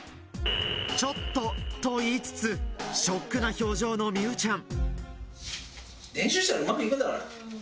「ちょっと」と言いつつショックな表情の美羽ちゃん。